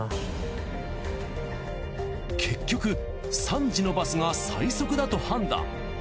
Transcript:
結局３時のバスが最速だと判断。